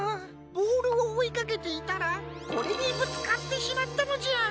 ボールをおいかけていたらこれにぶつかってしまったのじゃ。